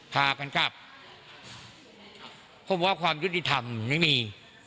พากันกลับผมว่าความยุติธรรมไม่มี